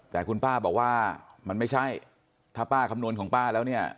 แต่คุณป้าบอกว่ามันไม่ใช่ถ้าป้าคำนวณของป้าแล้วเนี่ย